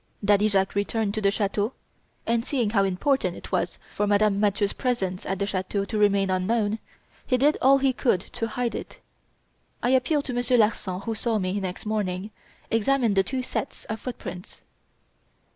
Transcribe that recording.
"Daddy Jacques returned to the chateau, and, seeing how important it was for Madame Mathieu's presence at the chateau to remain unknown, he did all he could to hide it. I appeal to Monsieur Larsan, who saw me, next morning, examine the two sets of footprints."